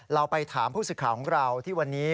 เราไปถามผู้สื่อข่าวของเราที่วันนี้